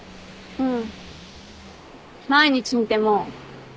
うん。